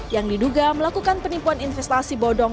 yang diduga melakukan penipuan investasi bodong